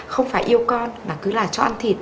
không phải yêu con mà cứ là cho ăn thịt